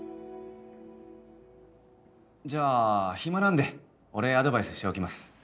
じゃあ暇なんで俺アドバイスしておきます。